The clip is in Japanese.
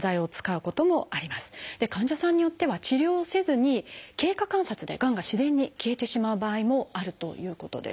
患者さんによっては治療をせずに経過観察でがんが自然に消えてしまう場合もあるということです。